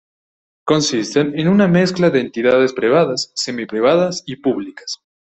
Consisten en una mezcla de entidades privadas, semi-privadas y públicas.